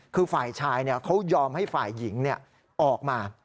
คือฝ่ายชายเขายอมให้ฝ่ายหญิงออกมา